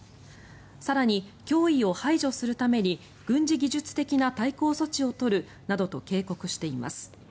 更に、脅威を排除するために軍事技術的な対抗措置を取るなどと警告しています。